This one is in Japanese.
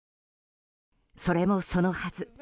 それもそのはず